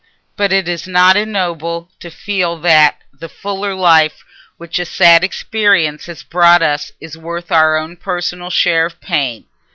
But it is not ignoble to feel that the fuller life which a sad experience has brought us is worth our own personal share of pain.